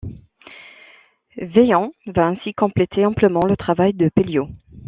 Vaillant va ainsi compléter amplement le travail de Pelliot.